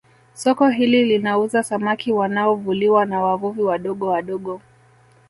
Soko hili linauza samaki wanaovuliwa na wavuvi wadogo wadogo